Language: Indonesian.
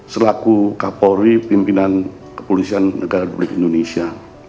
selaku kapolri pimpinan kepolisian negara republik indonesia